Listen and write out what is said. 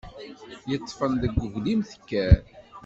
Yeṭṭefen deg uglim tekker.